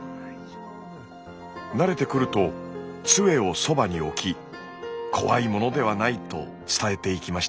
慣れてくるとつえをそばに置き「怖いものではない」と伝えていきました。